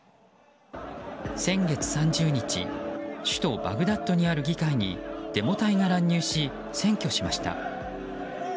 先月３０日首都バグダッドにある議会にデモ隊が乱入し、占拠しました。